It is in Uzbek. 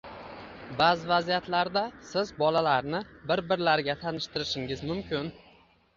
Ba’zi vaziyatlarda siz bolalarni bir-birlariga tanishtirishingiz mumkin